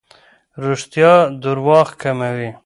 رښتیا درواغ کموي.